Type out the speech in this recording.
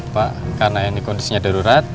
pak karena ini kondisinya darurat